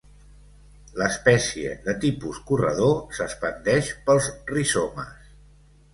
L'espècie, de tipus corredor, s'expandeix pels rizomes.